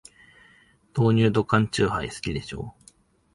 豆乳と缶チューハイ、好きでしょ。